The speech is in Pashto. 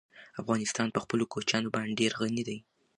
افغانستان په خپلو کوچیانو باندې ډېر غني دی.